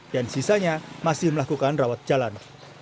dan sisanya masih melakukan rawat jalan